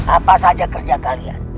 apa saja kerja kalian